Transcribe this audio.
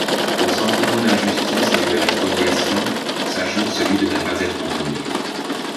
Au sentiment d’injustice né de la spoliation, s’ajoute celui de ne pas être entendus.